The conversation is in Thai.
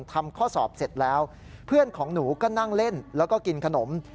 ทำข้อสอบเสร็จแล้วเพื่อนของหนูก็นั่งเล่นแล้วก็กินขนม